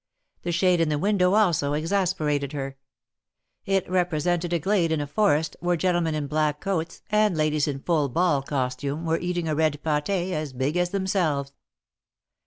The shade in the window also exasperated her. It represented a glade in a forest, where gentlemen in black coats, and ladies in full ball costume were eating a red pat6 as big as themselves.